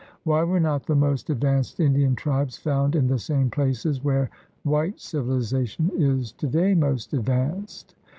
Why were not the most advanced Indian tribes found in the same places where white civilization is to day most advanced.